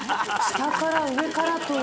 下から上からと。